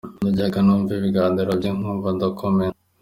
Najyaga numva ibiganiro bye, nkumva ndakomeye.